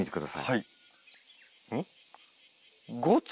はい。